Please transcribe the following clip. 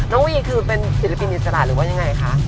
วีคือเป็นศิลปินอิสระหรือว่ายังไงคะ